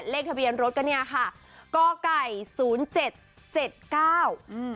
เลขทะเบียนรถก็เนี้ยค่ะก่อไก่ศูนย์เจ็ดเจ็ดเก้าอืม